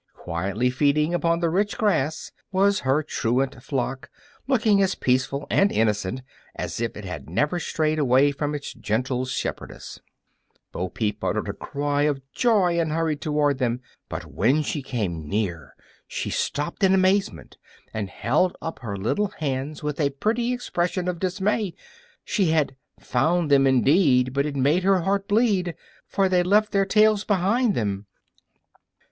Quietly feeding upon the rich grass was her truant flock, looking as peaceful and innocent as if it had never strayed away from its gentle shepherdess. [Illustration: Little Bo Peep] Bo Peep uttered a cry of joy and hurried toward them; but when she came near she stopped in amazement and held up her little hands with a pretty expression of dismay. She had Found them, indeed, but it made her heart bleed, For they'd left their tails behind them!